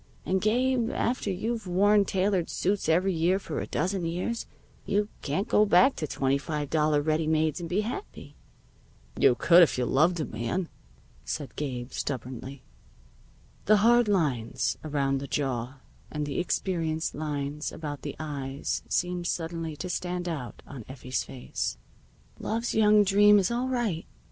And, Gabe, after you've worn tailored suits every year for a dozen years, you can't go back to twenty five dollar ready mades and be happy." "You could if you loved a man," said Gabe stubbornly. The hard lines around the jaw and the experienced lines about the eyes seemed suddenly to stand out on Effie's face. "Love's young dream is all right.